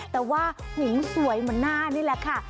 แต่ว่าหุงสวยเหมือนหน้านี่แหละค่ะ